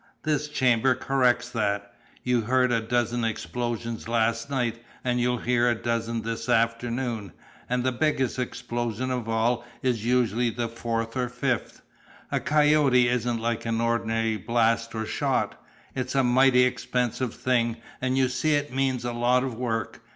This chamber corrects that. You heard a dozen explosions last night, and you'll hear a dozen this afternoon, and the biggest explosion of all is usually the fourth or fifth. A 'coyote' isn't like an ordinary blast or shot. It's a mighty expensive thing, and you see it means a lot of work.